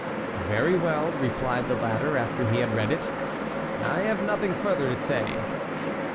"Very well," replied the latter after he had read it. "I have nothing further to say."